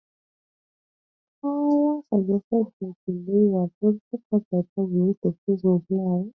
Correr suggested the delay was also caused by problems with the stage machinery.